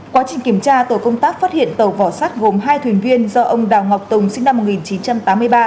quá trình kiểm tra tổ công tác phát hiện tàu vỏ sát gồm hai thuyền viên do ông đào ngọc tùng sinh năm một nghìn chín trăm tám mươi ba